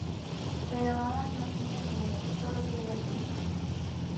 Pero Adam no tiene dinero, solo tiene a su hijo.